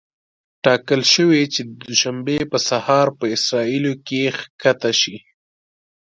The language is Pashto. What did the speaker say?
ټاکل شوې چې د دوشنبې په سهار په اسرائیلو کې ښکته شي.